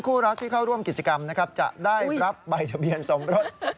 คู่รักที่เข้าร่วมกิจกรรมนะครับจะได้รับใบทะเบียนสมรส